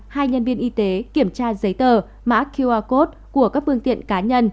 hai nhân viên y tế kiểm tra giấy tờ mã qr code của các phương tiện cá nhân